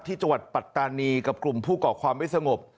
ที่จังหวัดปัตตานีกับกลุ่มผู้เกาะความไม่สงบ